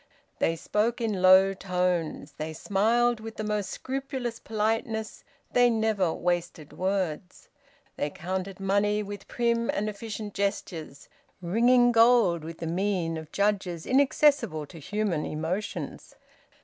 They spoke in low tones; they smiled with the most scrupulous politeness; they never wasted words. They counted money with prim and efficient gestures, ringing gold with the mien of judges inaccessible to human emotions.